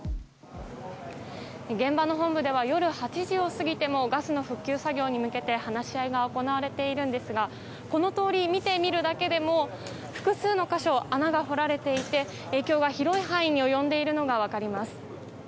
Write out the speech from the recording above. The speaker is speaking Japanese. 現場の本部では夜８時を過ぎてもガスの復旧作業に向けて話し合いが行われているのですがこの通り、見てみるだけでも複数の箇所穴が掘られていて影響が広い範囲に及んでいるのが分かります。